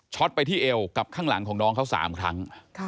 ไปที่เอวกับข้างหลังของน้องเขา๓ครั้ง